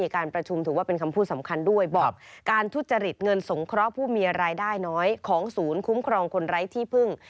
ของศูนย์คุ้มครองคนไร้ที่พึ่ง